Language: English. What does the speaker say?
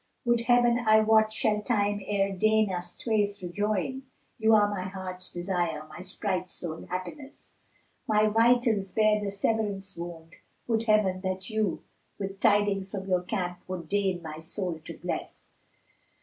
Would Heaven I wot shall Time e'er deign us twain rejoin! * You are my heart's desire, my sprite's sole happiness: My vitals bear the Severance wound: would Heaven that you * With tidings from your camp would deign my soul to bless!"